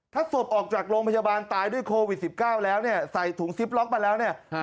ถ้าศพออกจากโรงพยาบาลตายด้วยโควิด๑๙แล้วเนี่ยใส่ถุงซิปล็อกมาแล้วเนี่ย